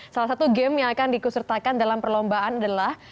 salah satu game yang akan dikusertakan dalam perlombaan adalah